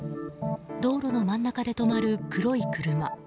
道路の真ん中で止まる黒い車。